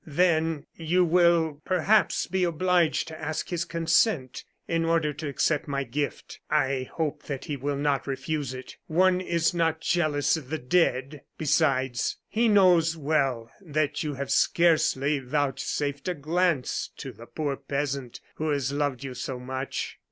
Then you will, perhaps, be obliged to ask his consent in order to accept my gift. I hope that he will not refuse it. One is not jealous of the dead! "Besides, he knows well that you have scarcely vouchsafed a glance to the poor peasant who has loved you so much.